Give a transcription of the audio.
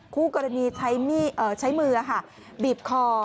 คู่กรณีใช้มือบีบคอ